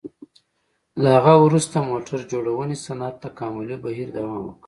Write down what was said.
له هغه وروسته موټر جوړونې صنعت تکاملي بهیر دوام وکړ.